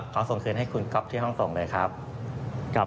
ขอส่งคืนให้คุณก๊อฟที่ห้องส่งเลยครับ